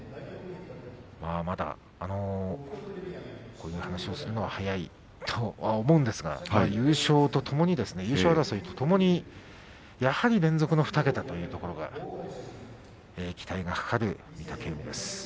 まだこういう話をするのは早いとは思うんですが優勝争いとともにやはり連続の２桁というところが期待が懸かる御嶽海です。